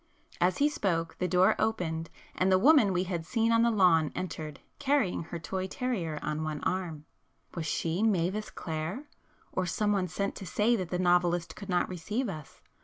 As he spoke the door opened, and the woman we had seen on the lawn entered, carrying her toy terrier on one arm. Was she Mavis Clare? or some one sent to say that the novelist could not receive us?